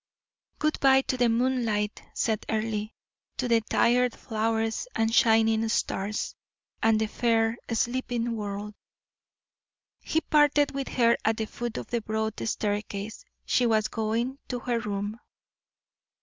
"Good bye to the moonlight," said Earle, "to the tired flowers and shining stars, and the fair, sleeping world." He parted with her at the foot of the broad staircase; she was going to her room.